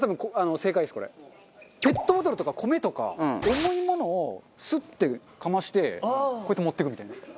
ペットボトルとか米とか重いものをスッてかましてこうやって持っていくみたいな。